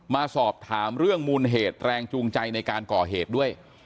มาสอบถามเรื่องมูลเหตุแรงจูงใจในการก่อเหตุด้วย